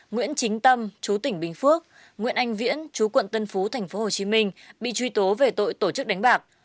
nguyễn chính tâm chú tỉnh bình phước nguyễn anh viễn chú quận tân phú tp hcm bị truy tố về tội tổ chức đánh bạc